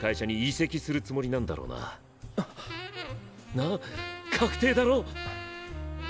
な確定だろ？